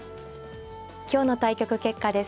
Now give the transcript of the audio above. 今日の対局結果です。